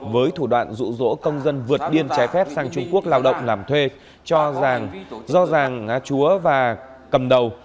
với thủ đoạn rụ rỗ công dân vượt điên trái phép sang trung quốc lao động làm thuê do giang chúa và cầm đầu